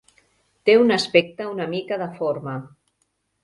Té un aspecte una mica deforme.